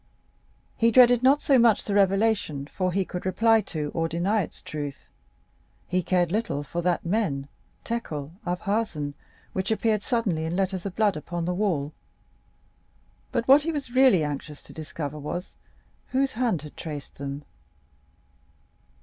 He dreaded not so much the revelation, for he could reply to or deny its truth;—he cared little for that mene, mene, tekel upharsin, which appeared suddenly in letters of blood upon the wall;—but what he was really anxious for was to discover whose hand had traced them.